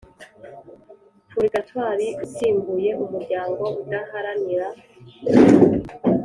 Purgatoire usimbuye umuryango udaharanira